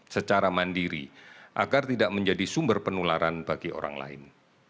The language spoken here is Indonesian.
secara mandiri agar tidak menjadi sumber penularan bagi orang lain